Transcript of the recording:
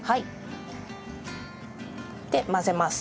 で混ぜます。